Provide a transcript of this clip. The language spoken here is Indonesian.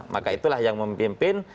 maka itulah yang memimpin